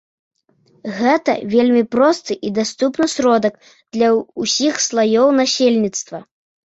Гэта вельмі просты і даступны сродак для ўсіх слаёў насельніцтва.